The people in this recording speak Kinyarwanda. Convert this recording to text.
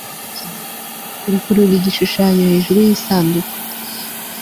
Gukurura igishushanyo hejuru yisanduku